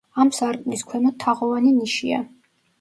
ამ სარკმლის ქვემოთ თაღოვანი ნიშია.